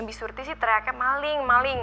disurti sih teriaknya maling maling